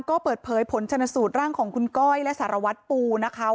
ก็เปิดเผยผลชนสูตรร่างของคุณก้อยและสารวัตรปูนะคะ